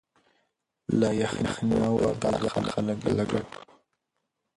له یخنیه وه بېزار خلک له ګټو